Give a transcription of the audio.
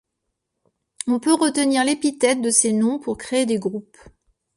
On peut retenir l'épithète de ces noms pour créer des groupes.